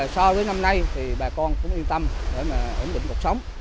so với năm nay thì bà con cũng yên tâm để mà ổn định cuộc sống